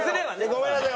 ごめんなさい。